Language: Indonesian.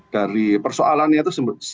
dari persoalannya itu